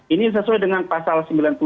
ini sesuai dengan pasal sembilan puluh tujuh